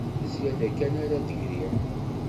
D zzyada kan ara d-griɣ